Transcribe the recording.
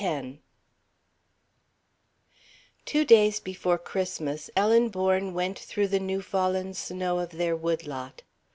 X Two days before Christmas Ellen Bourne went through the new fallen snow of their wood lot.